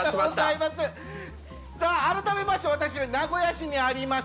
改めまして私は名古屋市にあります